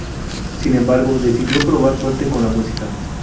Sin embargo, decidió probar suerte con la música.